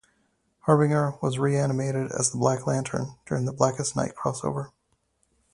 Harbinger was reanimated as a Black Lantern during the "Blackest Night" crossover.